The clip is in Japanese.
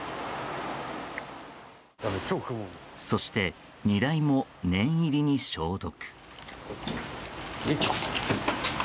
そして、荷台も念入りに消毒。